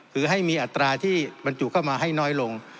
คือให้มีอัตราที่บรรจุเข้ามาให้น้อยลง